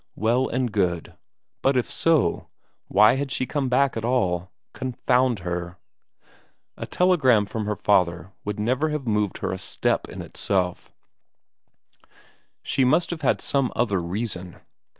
Well and good. But if so, why had she come back at all, confound her! A telegram from her father would never have moved her a step in itself; she must have had some other reason.